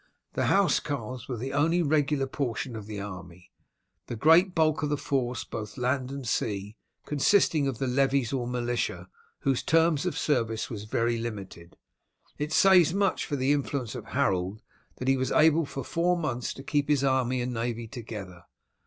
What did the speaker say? The housecarls were the only regular portion of the army The great bulk of the force, both land and sea, consisting of the levies or militia, whose term of service was very limited. It says much for the influence of Harold that he was able for four months to keep his army and navy together.